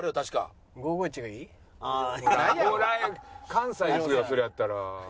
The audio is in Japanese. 関西行くよそれやったら。